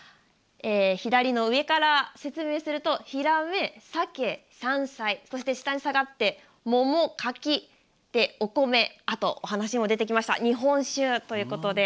左上から説明するとヒラメ、サケ、山菜そして下に下がって桃、かき、お米あとはお話にも出てきました日本酒ということで。